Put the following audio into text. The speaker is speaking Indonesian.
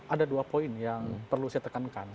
ada dua poin yang perlu saya tekankan